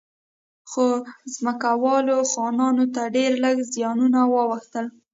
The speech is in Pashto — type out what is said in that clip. خو ځمکوالو خانانو ته ډېر لږ زیانونه واوښتل.